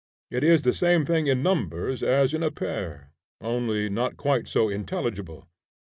It is the same thing in numbers, as in a pair, only not quite so intelligible.